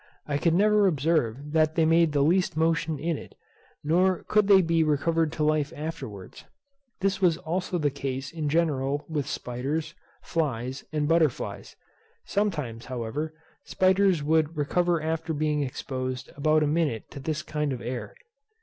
I could never observe that they made the least motion in it, nor could they be recovered to life afterwards. This was also the case in general with spiders, flies, and butterflies. Sometimes, however, spiders would recover after being exposed about a minute to this kind of air.